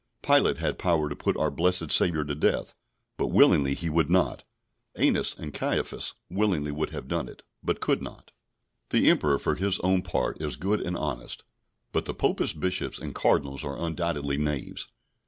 Pilate had power to put our blessed Saviour to death, but willingly he would not; Annas and Caiaphas willingly would have done it, but could not. The Emperor, for his own part, is good and honest; but the Popish Bishops and Cardinals are undoubtedly knaves.